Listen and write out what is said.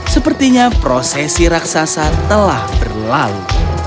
sepertinya prosesi raksasa telah berlalu